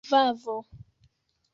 vavo